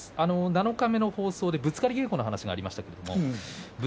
七日目の放送でぶつかり稽古の話がありました。